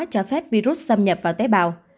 cho phép virus xâm nhập vào tế bào